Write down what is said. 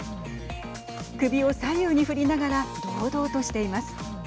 首を左右に振りながら堂々としています。